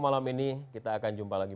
malam ini kita akan jumpa lagi